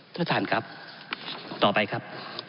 ท่านท่านครับต่อไปครับ